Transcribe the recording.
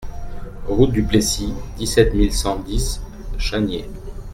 Route du Plessis, dix-sept mille six cent dix Chaniers